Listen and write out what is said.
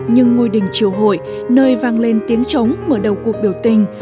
nhưng ngôi đình chiều hội nơi vang lên tiếng trống mở đầu cuộc biểu tình